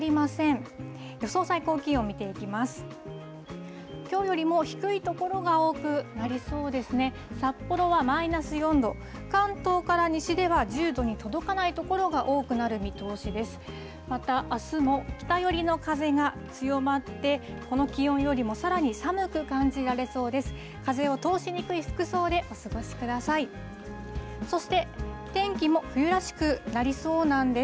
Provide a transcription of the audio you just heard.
またあすも、北寄りの風が強まって、この気温よりもさらに寒く感じられそうです。